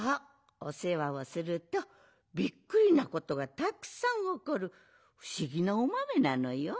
おせわをするとびっくりなことがたくさんおこるふしぎなおまめなのよ。